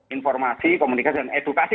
informasi komunikasi dan edukasi